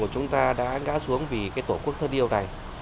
chúng ta đã ngã xuống vì tổ quốc thân yêu này